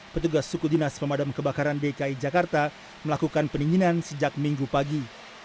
petugas suku dinas pemadam kebakaran dki jakarta melakukan pendinginan sejak minggu pagi